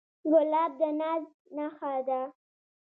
ګلاب د ناز نخښه ده.